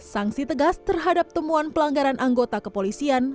sanksi tegas terhadap temuan pelanggaran anggota kepolisian